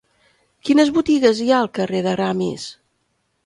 Quines botigues hi ha al carrer de Ramis?